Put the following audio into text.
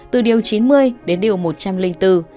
từ điều chín mươi đến điều một trăm linh bốn